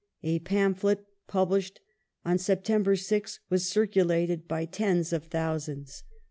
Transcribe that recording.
A pamphlet, published on September 6th, was circulated by tens of thousands.